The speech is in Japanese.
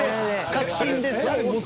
確信ですわ。